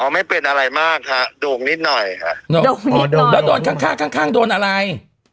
อ๋อไม่เป็นอะไรมากค่ะโด่งนิดหน่อยค่ะโด่งนิดหน่อยแล้วโดนข้างข้างข้างข้างโดนอะไร